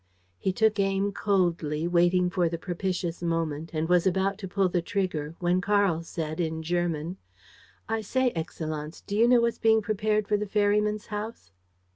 He took aim coldly, waiting for the propitious moment, and was about to pull the trigger, when Karl said, in German: "I say, Excellenz, do you know what's being prepared for the ferryman's house?"